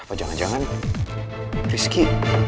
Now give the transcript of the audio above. apa jangan jangan rizky